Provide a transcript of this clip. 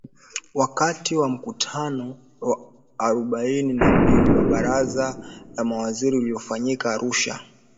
Wakati wa mkutano wa arobaini na mbili wa Baraza la Mawaziri uliofanyika Arusha